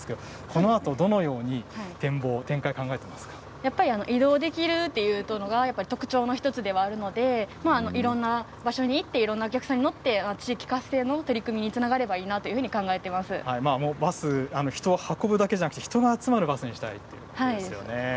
このあとどのように移動できるということが特徴の１つではあるのでいろんな場所に行っていろんなお客さんが乗って地域活性の取り組みにつながれば人を運ぶだけではなく人が集まる場所にしたいということなんですね。